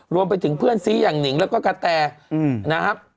รวมไปถึงเพื่อนซีอย่างหนิงแล้วก็กะแตนะครับ